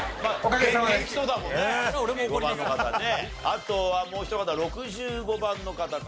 あとはもうひと方６５番の方かな？